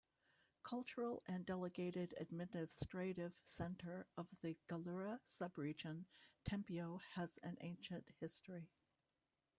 Cultural and delegated administrative centre of the Gallura sub-region, Tempio has an ancient history.